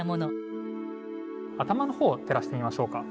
頭のほう照らしてみましょうか。